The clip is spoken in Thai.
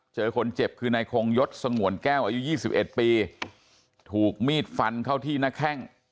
เจอคนเจ็บคือนายคงยศสงวนแก้วอายุ๒๑ปีถูกมีดฟันเข้าที่หน้าแข้ง